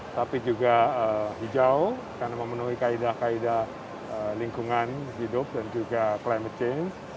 tapi juga hijau karena memenuhi kaedah kaedah lingkungan hidup dan juga climate change